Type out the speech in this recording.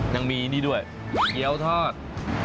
ยังมีนี่ด้วยเกี้ยวทอด